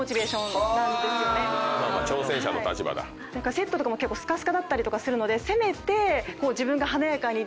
セットとかも結構すかすかだったりとかするので。